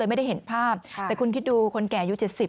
ไม่ได้เห็นภาพแต่คุณคิดดูคนแก่อายุ๗๐